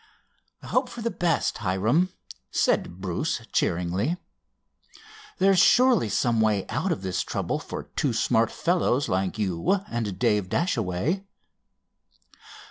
"Hope for the best, Hiram," said Bruce cheeringly. "There's surely some way out of this trouble for two smart fellows like you and Dave Dashaway."